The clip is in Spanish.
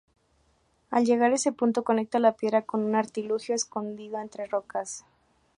Al llegar a ese punto, conecta la piedra con un artilugio escondido entre rocas.